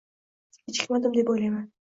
Kechikmadim deb o'ylayman.